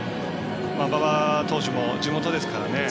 馬場投手も地元ですからね。